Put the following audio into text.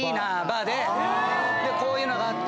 こういうのがあって。